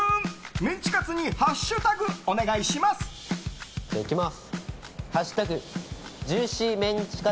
メンチカツにハッシュタグお願いします。